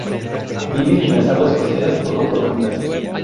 Vive en las aguas costeras poco profundas.